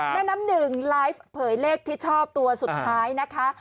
แม่น้ำหนึ่งไลฟ์เผยเลขที่ชอบตัวสุดท้ายนะคะ